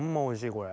これ。